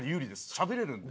しゃべれるんで。